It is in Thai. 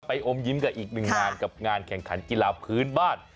อมยิ้มกับอีกหนึ่งงานกับงานแข่งขันกีฬาพื้นบ้าน